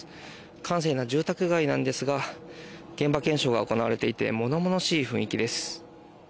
閑静な住宅街なんですが現場検証が行われていて物々しい雰囲気です。